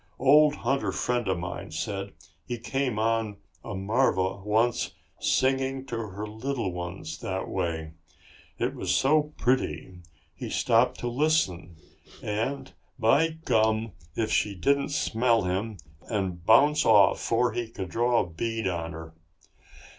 Old hunter friend of mine said he came on a marva once singing to her little ones that way. It was so pretty he stopped to listen and by gum if she didn't smell him and bounce off 'fore he could draw a bead on her."